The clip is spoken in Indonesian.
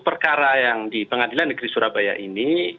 perkara yang di pn surabaya ini